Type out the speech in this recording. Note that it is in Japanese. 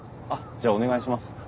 あっじゃあお願いします。